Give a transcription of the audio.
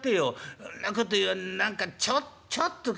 「そんなこと言わ何かちょっちょっと口」。